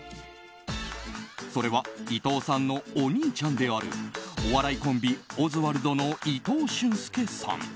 それは伊藤さんのお兄ちゃんであるお笑いコンビ、オズワルドの伊藤俊介さん。